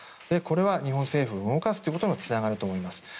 これは日本政府を動かすことにもつながると思います。